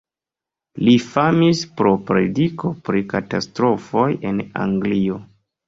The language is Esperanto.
Li famis pro prediko pri katastrofoj en Anglio.